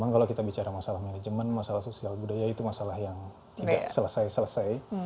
memang kalau kita bicara masalah manajemen masalah sosial budaya itu masalah yang tidak selesai selesai